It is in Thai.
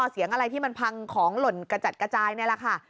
เสียงอะไรที่มันพังของหล่นกระจัดกระจายนี่แหละค่ะ